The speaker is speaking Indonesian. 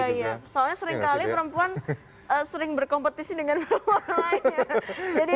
iya iya soalnya sering kali perempuan sering berkompetisi dengan perempuan lainnya